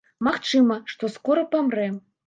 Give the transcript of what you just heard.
Магчыма, што скора памрэ.